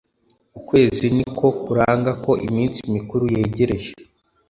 Ukwezi ni ko kuranga ko iminsi mikuru yegereje,